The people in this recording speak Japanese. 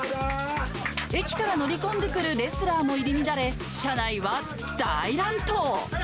駅から乗り込んでくるレスラーも入り乱れ、車内は大乱闘。